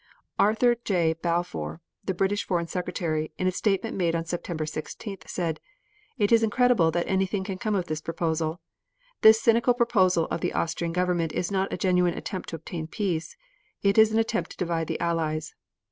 Arthur J. Balfour, the British Foreign Secretary, in a statement made September 16th said: "It is incredible that anything can come of this proposal.... This cynical proposal of the Austrian Government is not a genuine attempt to obtain peace. It is an attempt to divide the Allies."